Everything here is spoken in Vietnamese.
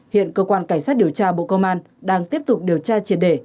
hiện cơ quan cảnh sát điều tra bộ công an đang tiếp tục điều tra triệt đề